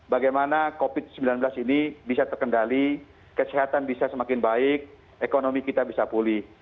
bagaimana covid sembilan belas ini bisa terkendali kesehatan bisa semakin baik ekonomi kita bisa pulih